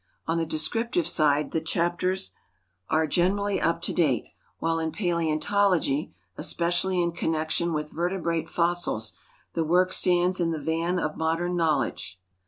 On the descrix^tive side the chapters are generally up to date, while in paleontology, especially in connection with vertebrate fossils, the work stands in the van of modern knowledge.